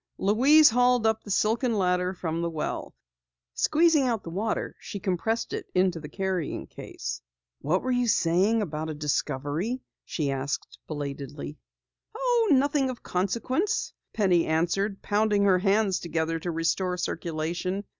Louise hauled up the silken ladder from the well. Squeezing out the water, she compressed it into the carrying case. "What were you saying about a discovery?" she inquired belatedly. "Oh, nothing of consequence," Penny answered, pounding her hands together to restore circulation.